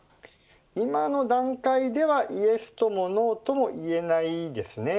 今の段階ではイエスともノーとも言えないですね。